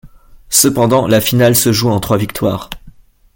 Cependant, la finale se joue en trois victoires.